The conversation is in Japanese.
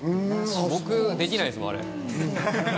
僕できないですもん、あれ。